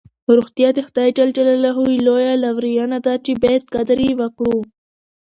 روغتیا د خدای ج لویه لورینه ده چې باید قدر یې وکړو.